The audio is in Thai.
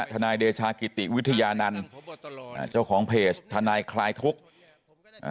นายเดชากิติวิทยานันต์อ่าเจ้าของเพจทนายคลายทุกข์อ่า